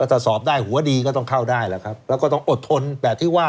ถ้าสอบได้หัวดีก็ต้องเข้าได้แหละครับแล้วก็ต้องอดทนแบบที่ว่า